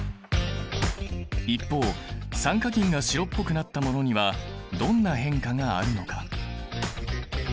一方酸化銀が白っぽくなったものにはどんな変化があるのか？